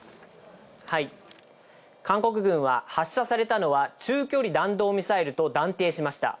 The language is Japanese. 韓国軍は発射されたのは中距離弾道ミサイルと断定しました。